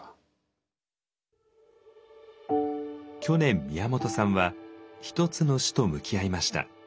去年宮本さんは一つの死と向き合いました。